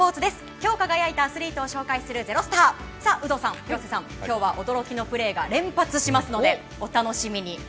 今日輝いたアスリートを紹介する「＃ｚｅｒｏｓｔａｒ」有働さん、廣瀬さん、今日は驚きのプレーが連発しますのでお楽しみに。